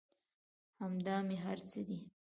همدا مې هر څه دى.